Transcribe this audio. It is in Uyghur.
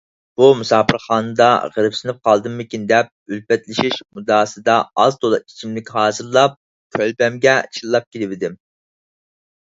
بۇ مۇساپىرخانىدا غېرىبسىنىپ قالدىمىكىن دەپ، ئۈلپەتلىشىش مۇددىئاسىدا ئاز - تولا ئىچىملىك ھازىرلاپ كۆلبەمگە چىللاپ كېلىۋىدىم.